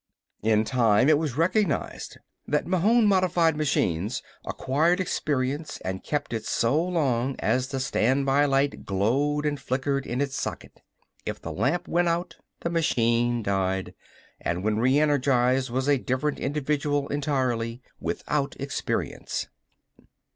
In time it was recognized that Mahon modified machines acquired experience and kept it so long as the standby light glowed and flickered in its socket. If the lamp went out the machine died, and when reënergized was a different individual entirely, without experience.